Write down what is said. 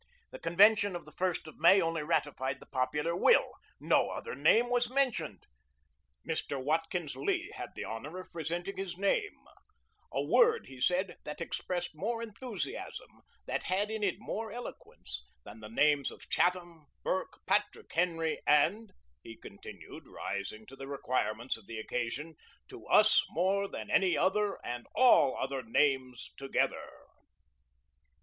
The convention of the 1st of May only ratified the popular will; no other name was mentioned. Mr. Watkins Leigh had the honor of presenting his name, "a word," he said "that expressed more enthusiasm, that had in it more eloquence, than the names of Chatham, Burke, Patrick Henry, and," he continued, rising to the requirements of the occasion, "to us more than any other and all other names together."